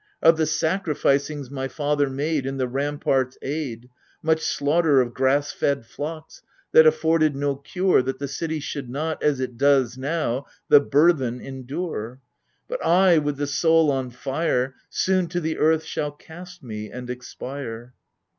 Of the sacrificings my father made In the ramparts' aid — Much slaughter of grass fed flocks — that afforded no cure That the city should not, as it does now, the burthen endure ! But I, with the soul on fire, Soon to the earth shall cast me and expire